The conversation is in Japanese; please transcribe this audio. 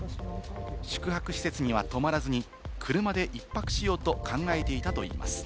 宿泊施設にはとまらずに車で一泊しようと考えていたといいます。